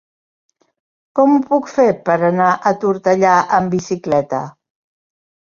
Com ho puc fer per anar a Tortellà amb bicicleta?